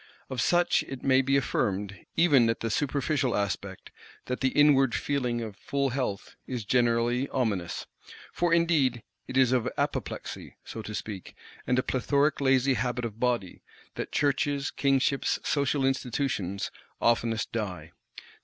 Of such it may be affirmed even that the superficial aspect, that the inward feeling of full health, is generally ominous. For indeed it is of apoplexy, so to speak, and a plethoric lazy habit of body, that Churches, Kingships, Social Institutions, oftenest die.